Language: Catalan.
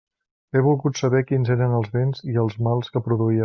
He volgut saber quins eren els béns i els mals que produïa.